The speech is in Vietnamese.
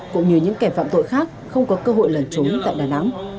cũng như những kẻ phạm tội khác không có cơ hội lần trốn tại đà nẵng